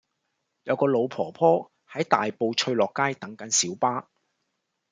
有個老婆婆喺大埔翠樂街等緊小巴